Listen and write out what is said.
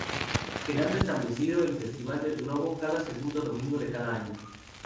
Quedando establecido el Festival del Globo cada segundo domingo de cada año.